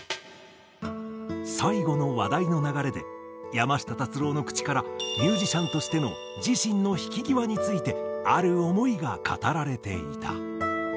最後の話題の流れで山下達郎の口からミュージシャンとしての自身の引き際についてある思いが語られていた。